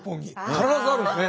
必ずあるんですね。